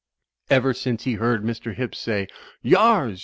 Ever since he heard Mr. Hibbs say, "Yars!